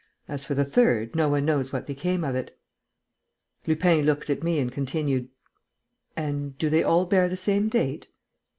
As for the third, no one knows what became of it." Lupin looked at me and continued: "And do they all bear the same date?"